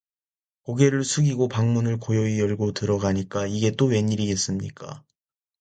고개를 숙이고 방문을 고요히 열고 들어가니까, 이게 또 웬일이겠습니까.